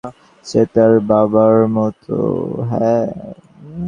সে তার বাবার মতো।